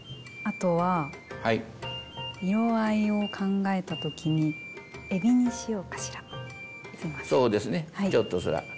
あとは色合いを考えた時にえびにしようかしら。